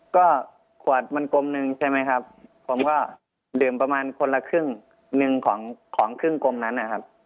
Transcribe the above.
ก็ขวดมันกลมหนึ่งใช่ไหมครับผมก็ดื่มประมาณคนละครึ่งหนึ่งของของครึ่งกลมนั้นนะครับ